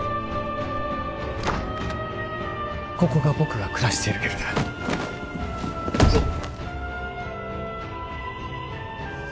ここが僕が暮らしているゲルだうおっ！